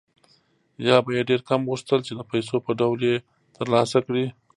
یا به یې ډېر کم غوښتل چې د پیسو په ډول یې ترلاسه کړي